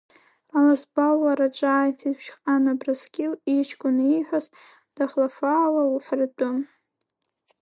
Аласба уара, ҿааиҭит Ԥшьҟан Абрскьыл, иҷкәын ииҳәаз дахлафаауа уҳәаратәы.